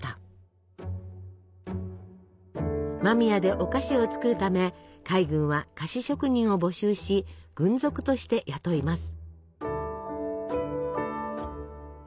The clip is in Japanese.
間宮でお菓子を作るため海軍は菓子職人を募集し軍属として雇います。